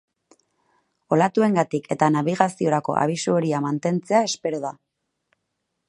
Olatuengatik eta nabigaziorako abisu horia mantentzea espero da.